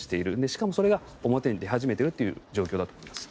しかもそれが表に出始めている状況だと思います。